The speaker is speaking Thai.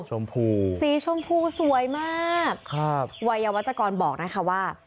ชมพูสีชมพูสวยมากครับวัยวัชกรบอกนะคะว่า